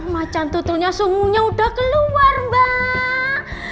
macan tutulnya suhunya udah keluar mbak